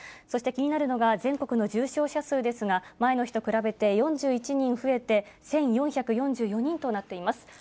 そして気になるのが、全国の重症者数ですが、前の日と比べて４１人増えて、１４４４人となっています。